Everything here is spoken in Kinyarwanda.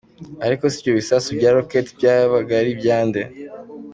Ariko se ibyo bisasu bya rocket byari ibya nde ?